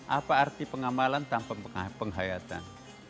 apa arti pengamalan tanpa penghayatan